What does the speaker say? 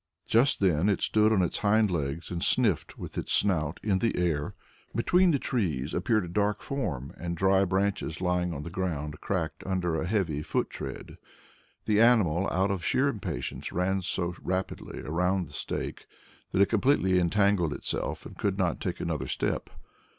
Just then it stood on its hindlegs and sniffed with its snout in the air. Between the trees appeared a dark form, and dry branches lying on the ground cracked under a heavy foot tread. The animal, out of sheer impatience, ran so rapidly round the stake that it completely entangled itself and could not take another step.